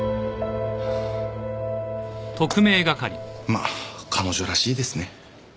まあ彼女らしいですね。